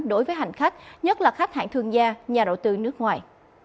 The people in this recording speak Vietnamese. đối với hành khách nhất là khách hạng thương gia nhà đầu tư nước ngoài